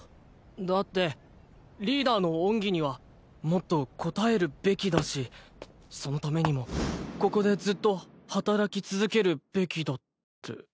だってリーダーの恩義にはもっと応えるべきだしそのためにもここでずっと働き続けるべきだって。